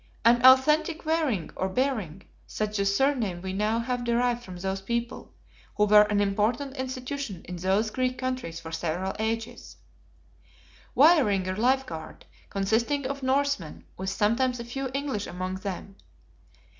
An authentic Waring or Baring, such the surname we now have derived from these people; who were an important institution in those Greek countries for several ages: Vaeringer Life Guard, consisting of Norsemen, with sometimes a few English among them.